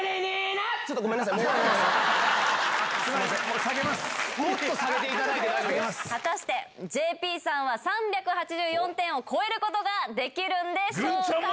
もっと下げていただいて大丈果たしてＪＰさんは３８４点を超えることができるんでしょうか。